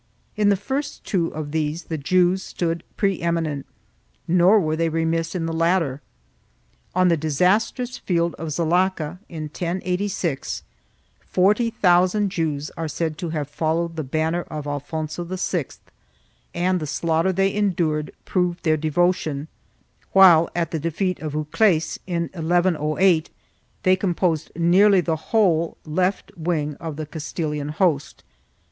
In the first two of these the Jews stood pre eminent, nor were they remiss in the latter. On the disas trous field of Zalaca, in 1086, forty thousand Jews are said to have followed the banner of Alfonso VI, and the slaughter they endured proved their devotion, while, at the defeat of Ucles in 1108, they composed nearly the whole left wing of the Castilian host.